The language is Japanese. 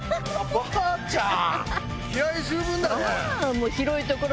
ばあちゃん！